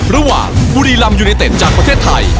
ระหว่างบุรีรัมยูนิเต็ตจากประเทศไทย